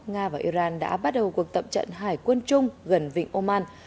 nga và iran đã bắt đầu cuộc tập trận hải quân chung gần vịnh oman